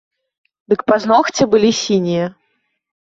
Дык пазногці былі сінія.